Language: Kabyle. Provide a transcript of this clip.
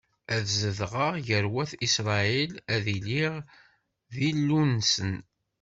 Ad zedɣeɣ gar wat Isṛayil, ad iliɣ d Illunsen.